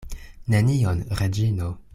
Nenion, Reĝino.